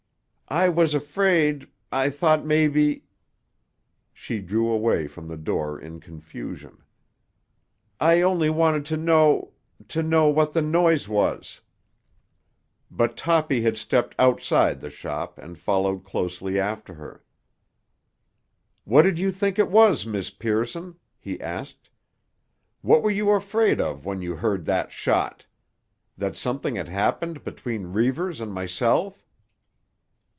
"I was afraid—I thought maybe——" She drew away from the door in confusion. "I only wanted to know—to know—what that noise was." But Toppy had stepped outside the shop and followed closely after her. "What did you think it was, Miss Pearson?" he asked. "What were you afraid of when you heard that shot? That something had happened between Reivers and myself?"